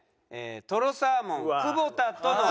とろサーモン久保田との。